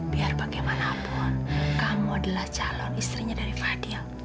biar bagaimanapun kamu adalah calon istrinya dari fadil